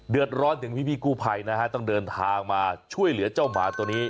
เดือดร้อนถึงพี่กู้ภัยนะฮะต้องเดินทางมาช่วยเหลือเจ้าหมาตัวนี้